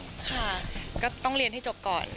ค่ะก็ต้องเรียนให้จบก่อน